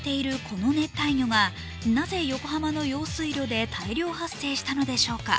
この熱帯魚がなぜ横浜の用水路で大量発生したのでしょうか。